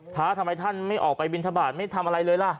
พระทำไมท่านไม่ออกไปบินทบาทไม่ทำอะไรเลยล่ะ